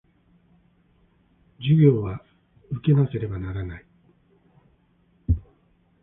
授業は受けなければならない